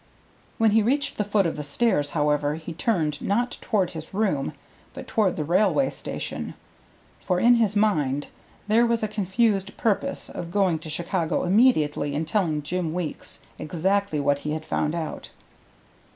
When he reached the foot of the stairs, however, he turned not toward his room, but toward the railway station; for in his mind there was a confused purpose of going to Chicago immediately and telling Jim Weeks exactly what he had found out.